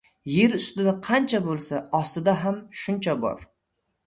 • Yer ustida qancha bo‘lsa, ostida ham shuncha bor.